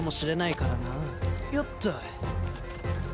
よっと。